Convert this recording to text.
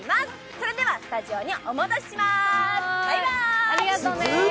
それではスタジオにお戻しします、バイバーイ！